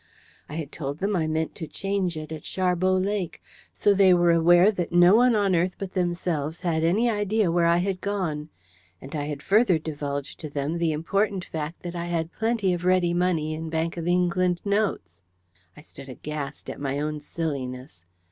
I had told them I meant to change it at Sharbot Lake. So they were aware that no one on earth but themselves had any idea where I had gone. And I had further divulged to them the important fact that I had plenty of ready money in Bank of England notes! I stood aghast at my own silliness.